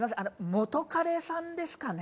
元カレさんですかね？